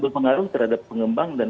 berpengaruh terhadap pengembang dan